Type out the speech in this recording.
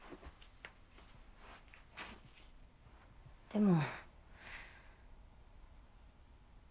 でも。